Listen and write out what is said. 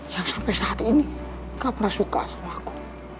yang sampai saat ini gak pernah suka sama aku